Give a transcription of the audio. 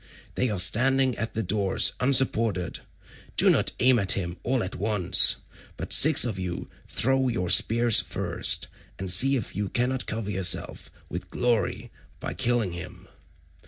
They are standing at the doors unsupported. Do not aim at him all at once, but six of you throw your spears first, and see if you cannot cover yourselves with glory by killing him.